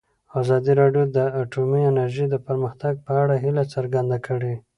ازادي راډیو د اټومي انرژي د پرمختګ په اړه هیله څرګنده کړې.